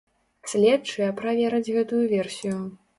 Следчыя правераць гэтую версію.